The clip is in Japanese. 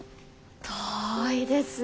遠いですね。